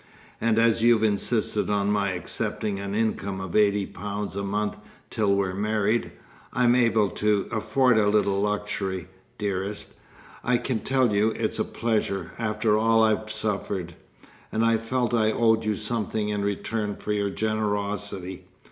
And as you've insisted on my accepting an income of eighty pounds a month till we're married, I'm able to afford a little luxury, dearest. I can tell you it's a pleasure, after all I've suffered! and I felt I owed you something in return for your generosity.